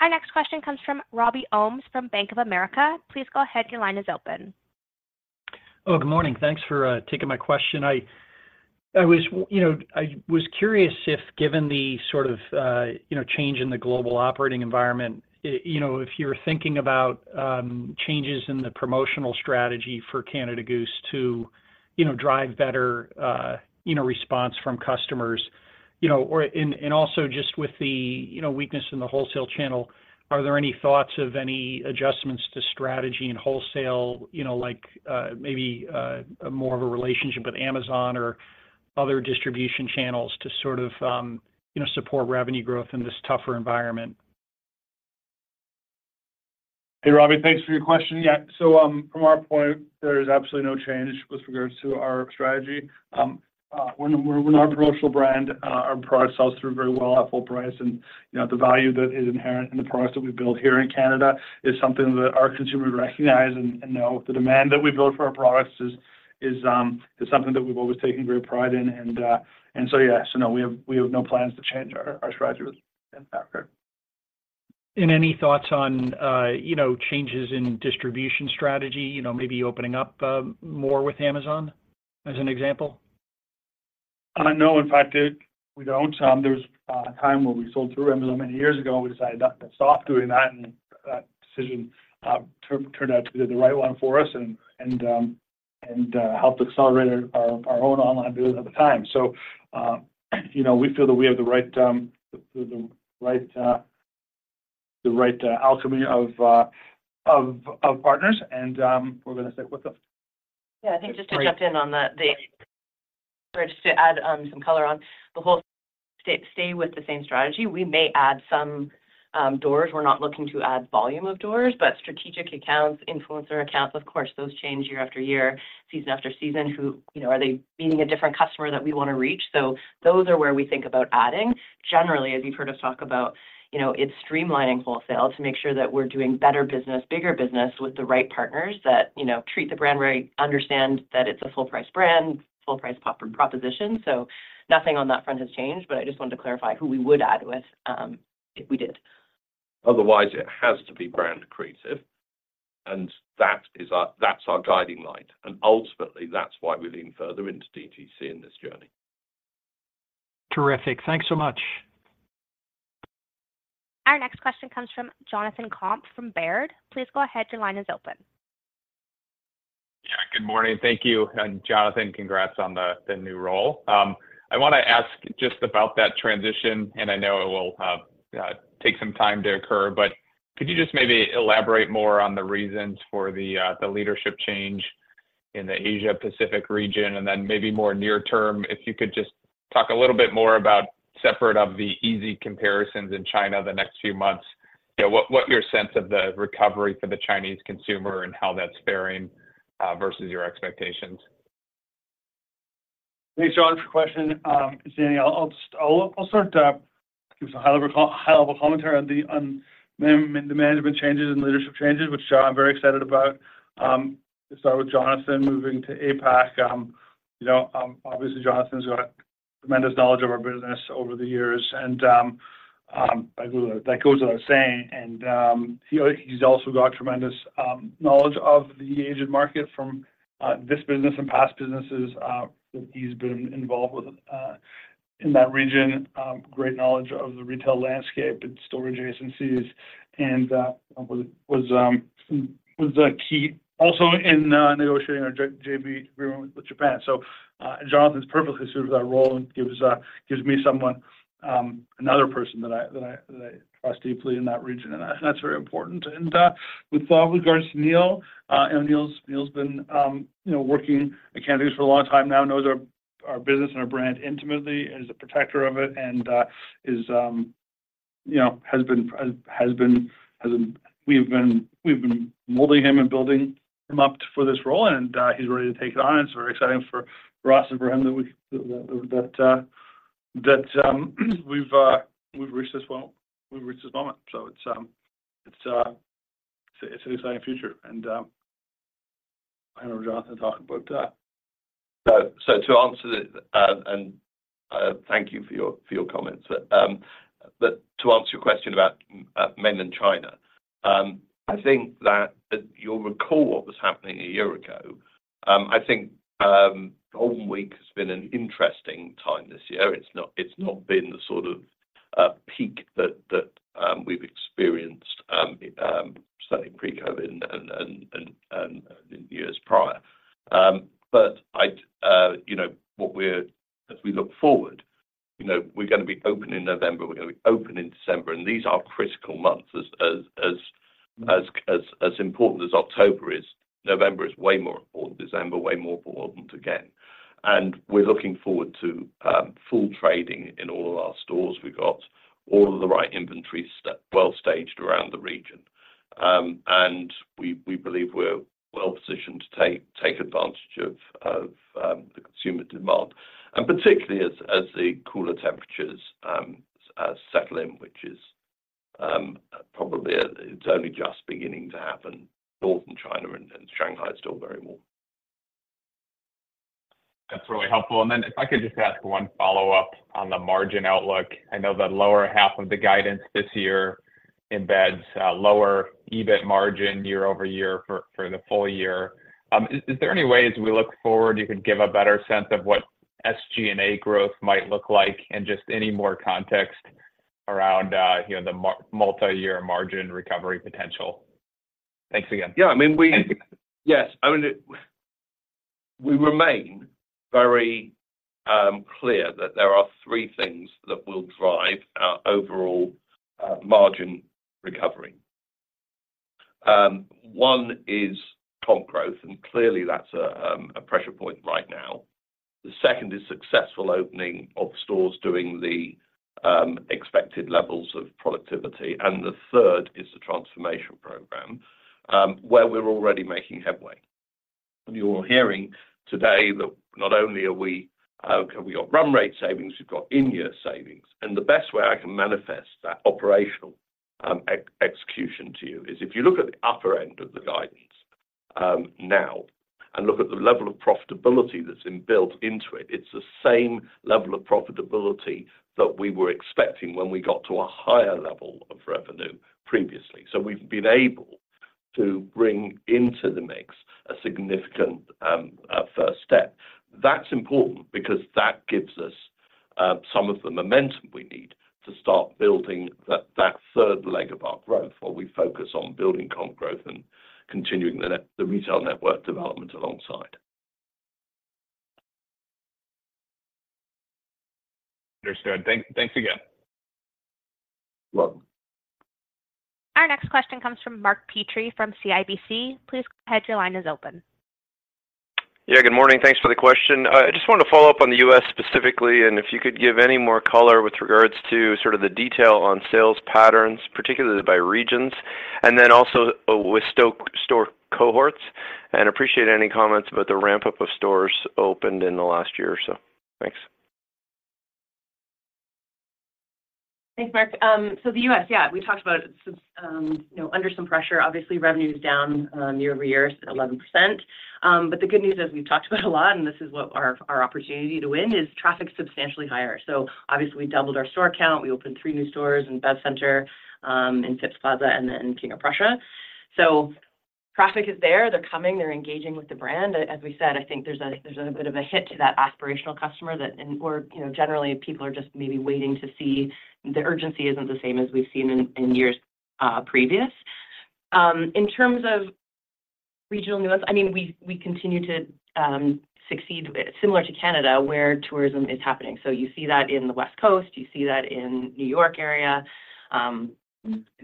Our next question comes from Robbie Ohmes from Bank of America. Please go ahead. Your line is open.
Oh, good morning. Thanks for taking my question. I was, you know, I was curious if, given the sort of, you know, change in the global operating environment, you know, if you're thinking about, changes in the promotional strategy for Canada Goose to, you know, drive better, you know, response from customers? You know, or and, and also just with the, you know, weakness in the wholesale channel, are there any thoughts of any adjustments to strategy and wholesale? You know, like, maybe, more of a relationship with Amazon or other distribution channels to sort of, you know, support revenue growth in this tougher environment?
Hey, Robbie, thanks for your question. Yeah, so from our point, there is absolutely no change with regards to our strategy. When our promotional brand, our product sells through very well at full price, and, you know, the value that is inherent in the products that we build here in Canada is something that our consumers recognize and know. The demand that we build for our products is something that we've always taken great pride in. And so, yeah, so no, we have no plans to change our strategy within that regard.
Any thoughts on, you know, changes in distribution strategy? You know, maybe opening up, more with Amazon, as an example.
No, in fact, we don't. There was a time where we sold through Amazon many years ago, and we decided not to stop doing that, and that decision turned out to be the right one for us and helped accelerate our own online business at the time. So, you know, we feel that we have the right alchemy of partners, and we're gonna stick with them.
Yeah, I think just to jump in on that, just to add some color on the whole stay with the same strategy. We may add some doors. We're not looking to add volume of doors, but strategic accounts, influencer accounts, of course, those change year after year, season after season. Who, you know, are they meeting a different customer that we want to reach? So those are where we think about adding. Generally, as you've heard us talk about, you know, it's streamlining wholesale to make sure that we're doing better business, bigger business with the right partners that, you know, treat the brand right, understand that it's a full-price brand, full-price proposition. So nothing on that front has changed, but I just wanted to clarify who we would add with, if we did.
Otherwise, it has to be brand creative, and that's our guiding light, and ultimately, that's why we lean further into DTC in this journey.
Terrific. Thanks so much.
Our next question comes from Jonathan Komp from Baird. Please go ahead. Your line is open.
Yeah, good morning. Thank you. And Jonathan, congrats on the new role. I wanna ask just about that transition, and I know it will take some time to occur, but could you just maybe elaborate more on the reasons for the leadership change in the Asia Pacific region? And then maybe more near term, if you could just talk a little bit more about separate of the easy comparisons in China the next few months. You know, what your sense of the recovery for the Chinese consumer and how that's faring versus your expectations?
Thanks, John, for your question. Dani, I'll start, give us a high-level commentary on the management changes and leadership changes, which I'm very excited about. To start with Jonathan moving to APAC, you know, obviously, Jonathan's got tremendous knowledge of our business over the years, and that goes without saying. And he's also got tremendous knowledge of the Asian market from this business and past businesses that he's been involved with in that region. Great knowledge of the retail landscape and store adjacencies, and was a key also in negotiating our JV agreement with Japan. So, Jonathan's perfectly suited that role and gives me someone, another person that I trust deeply in that region, and that's very important. And, with regards to Neil, and Neil's been, you know, working at Canada for a long time now, knows our business and our brand intimately, is a protector of it, and is, you know, has been. We've been molding him and building him up for this role, and he's ready to take it on. It's very exciting for us and for him that we've reached this. Well, we've reached this moment. So it's an exciting future, and I know Jonathan talk about that.
So to answer that, and thank you for your comments. But to answer your question about men in China, I think that you'll recall what was happening a year ago. I think Golden Week has been an interesting time this year. It's not been the sort of peak that we've experienced, certainly pre-COVID and years prior. But I'd, you know, as we look forward, you know, we're gonna be open in November, we're gonna be open in December, and these are critical months as important as October is, November is way more important, December way more important again. And we're looking forward to full trading in all of our stores. We've got all of the right inventory well-staged around the region. And we believe we're well positioned to take advantage of the consumer demand, and particularly as the cooler temperatures settle in, which is probably—it's only just beginning to happen. Northern China and Shanghai is still very warm.
That's really helpful. And then if I could just ask one follow-up on the margin outlook. I know the lower half of the guidance this year embeds lower EBIT margin year over year for the full year. Is there any way as we look forward, you could give a better sense of what SG&A growth might look like and just any more context around, you know, the multiyear margin recovery potential? Thanks again.
Yeah, I mean, we-
Yes, I mean, we remain very clear that there are three things that will drive our overall margin recovery. One is comp growth, and clearly that's a pressure point right now. The second is successful opening of stores doing the expected levels of productivity, and the third is the transformation program where we're already making headway. And you're hearing today that not only have we got run rate savings, we've got in-year savings, and the best way I can manifest that operational execution to you is if you look at the upper end of the guidance now, and look at the level of profitability that's been built into it, it's the same level of profitability that we were expecting when we got to a higher level of revenue previously. So we've been able to bring into the mix a significant first step. That's important because that gives us some of the momentum we need to start building that third leg of our growth, while we focus on building comp growth and continuing the retail network development alongside.
Understood. Thanks again.
Welcome.
Our next question comes from Mark Petrie from CIBC. Please go ahead, your line is open.
Yeah, good morning. Thanks for the question. I just wanted to follow up on the U.S. specifically, and if you could give any more color with regards to sort of the detail on sales patterns, particularly by regions, and then also, with store cohorts, and appreciate any comments about the ramp-up of stores opened in the last year or so. Thanks.
Thanks, Mark. So the U.S., yeah, we talked about it since, you know, under some pressure, obviously, revenue's down, year-over-year, 11%. But the good news is we've talked about a lot, and this is what our, our opportunity to win is traffic's substantially higher. So obviously, we doubled our store count. We opened 3 new stores in Beverly Center, in Phipps Plaza and then in King of Prussia. So traffic is there, they're coming, they're engaging with the brand. As we said, I think there's a, there's a bit of a hit to that aspirational customer that... and or, you know, generally, people are just maybe waiting to see. The urgency isn't the same as we've seen in, in years, previous. In terms of regional nuance, I mean, we, we continue to, succeed similar to Canada, where tourism is happening. So you see that in the West Coast, you see that in New York area.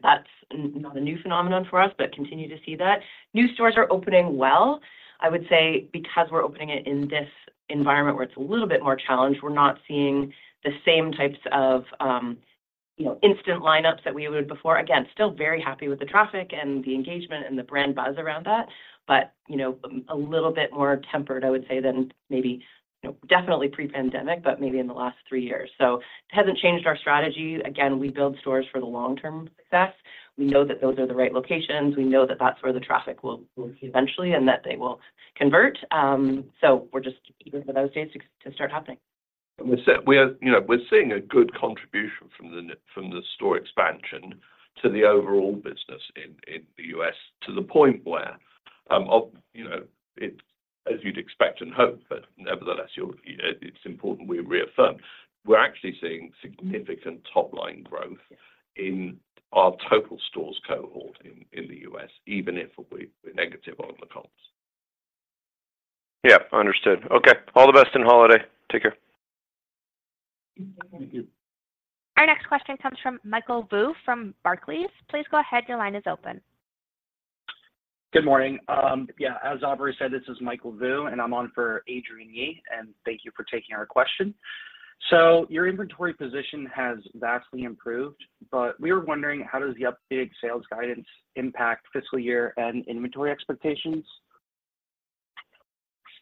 That's not a new phenomenon for us, but continue to see that. New stores are opening well. I would say because we're opening it in this environment where it's a little bit more challenged, we're not seeing the same types of, you know, instant lineups that we would before. Again, still very happy with the traffic and the engagement and the brand buzz around that, but, you know, a little bit more tempered, I would say, than maybe, you know, definitely pre-pandemic, but maybe in the last three years. So it hasn't changed our strategy. Again, we build stores for the long-term success. We know that those are the right locations. We know that that's where the traffic will eventually, and that they will convert. So we're just waiting for those things to start happening.
We're set. You know, we're seeing a good contribution from the store expansion to the overall business in the U.S., to the point where, you know, it's as you'd expect and hope, but nevertheless, you know, it's important we reaffirm. We're actually seeing significant top-line growth in our total stores cohort in the U.S., even if we're negative on the comps.
Yeah, understood. Okay. All the best in holiday. Take care.
Thank you.
Our next question comes from Michael Vu from Barclays. Please go ahead, your line is open.
Good morning. Yeah, as Aubrey said, this is Michael Vu, and I'm on for Adrienne Yih, and thank you for taking our question. So your inventory position has vastly improved, but we were wondering, how does the updated sales guidance impact fiscal year and inventory expectations?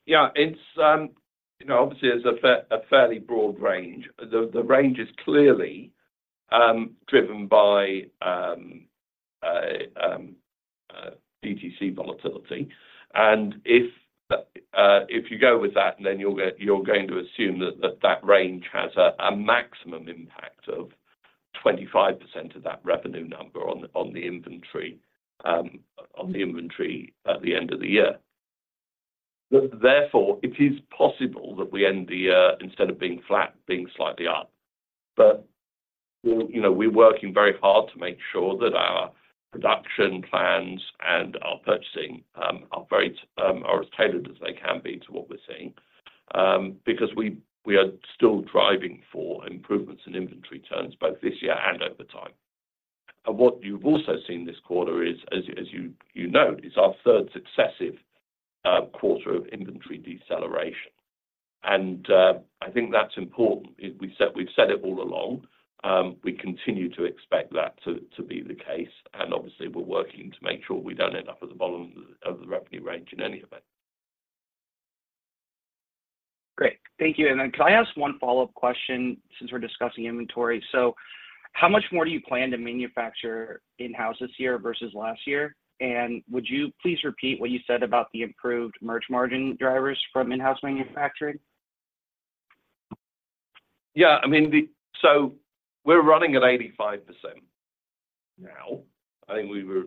Yeah, it's, you know, obviously, there's a fairly broad range. The range is clearly driven by DTC volatility. And if you go with that, then you're going to assume that that range has a maximum impact of 25% of that revenue number on the inventory at the end of the year. But therefore, it is possible that we end the year, instead of being flat, being slightly up. But, you know, we're working very hard to make sure that our production plans and our purchasing are as tailored as they can be to what we're seeing, because we are still driving for improvements in inventory terms, both this year and over time. What you've also seen this quarter is, as you know, our third successive quarter of inventory deceleration. I think that's important. We've said it all along, we continue to expect that to be the case, and obviously, we're working to make sure we don't end up at the bottom of the revenue range in any event.
Great. Thank you. Then could I ask one follow-up question since we're discussing inventory? How much more do you plan to manufacture in-house this year versus last year? And would you please repeat what you said about the improved merch margin drivers from in-house manufacturing?
Yeah, I mean, so we're running at 85% now. I think we were,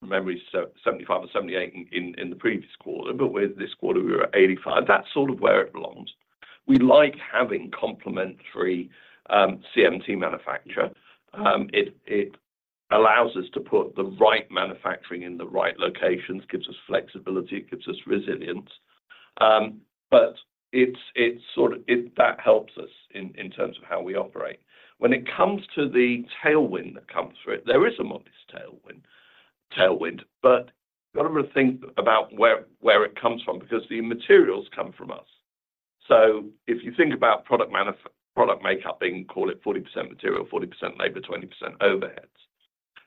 from memory, seventy-five or seventy-eight in the previous quarter, but with this quarter, we were at 85%. That's sort of where it belongs. We like having complementary CMT manufacturer. It allows us to put the right manufacturing in the right locations, gives us flexibility, it gives us resilience. But it's sort of that helps us in terms of how we operate. When it comes to the tailwind that comes through it, there is a modest tailwind, but you've got to think about where it comes from, because the materials come from us. So if you think about product makeup, being, call it 40% material, 40% labor, 20% overheads,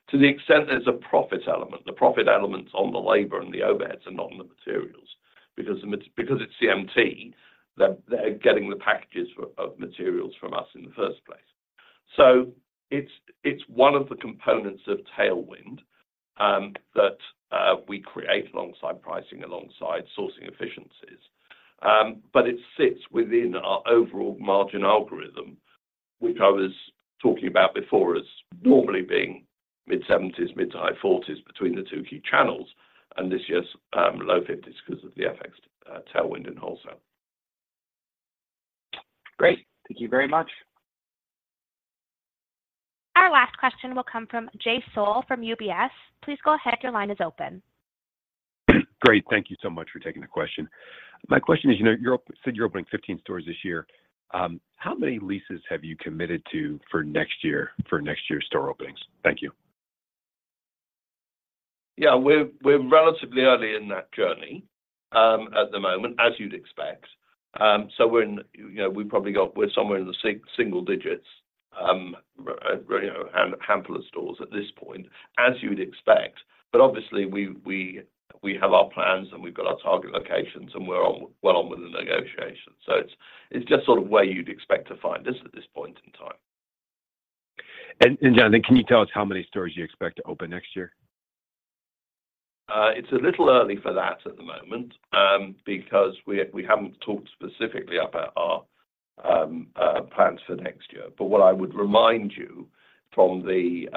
to the extent there's a profit element, the profit elements on the labor and the overheads are not on the materials. Because it's CMT, they're getting the packages of materials from us in the first place. So it's one of the components of tailwind that we create alongside pricing, alongside sourcing efficiencies. But it sits within our overall margin algorithm, which I was talking about before as normally being mid-70s%, mid- to high 40s% between the two key channels, and this year's low 50s% because of the FX tailwind in wholesale.
Great. Thank you very much.
Our last question will come from Jay Sole from UBS. Please go ahead. Your line is open.
Great. Thank you so much for taking the question. My question is, you k now, you said you're opening 15 stores this year. How many leases have you committed to for next year, for next year's store openings? Thank you.
Yeah, we're relatively early in that journey at the moment, as you'd expect. So we're in, you know, we probably got... We're somewhere in the single digits, you know, handful of stores at this point, as you'd expect. But obviously, we have our plans, and we've got our target locations, and we're well on with the negotiations. So it's just sort of where you'd expect to find us at this point in time.
And, Jonathan, can you tell us how many stores you expect to open next year?
It's a little early for that at the moment, because we haven't talked specifically about our plans for next year. But what I would remind you from the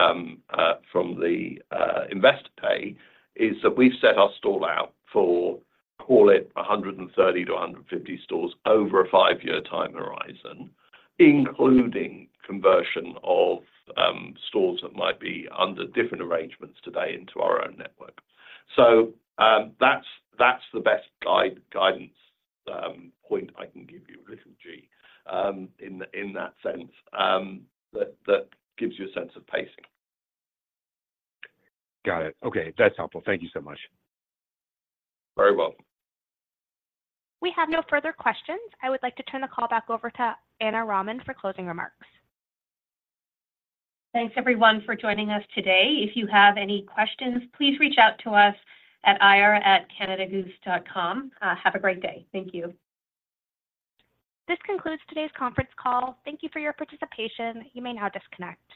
Investor Day is that we've set our stall out for, call it, 130-150 stores over a 5-year time horizon, including conversion of stores that might be under different arrangements today into our own network. So, that's the best guide, guidance point I can give you, little g, in that sense, that gives you a sense of pacing.
Got it. Okay, that's helpful. Thank you so much.
Very welcome.
We have no further questions. I would like to turn the call back over to Ana Raman for closing remarks.
Thanks, everyone, for joining us today. If you have any questions, please reach out to us at ir@canadagoose.com. Have a great day. Thank you.
This concludes today's conference call. Thank you for your participation. You may now disconnect.